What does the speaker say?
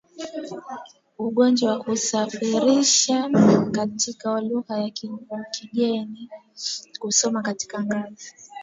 ugonjwa na kutafsiriwa katika lugha za wenyeji ili kuwawezesha wengi kuusoma katika ngazi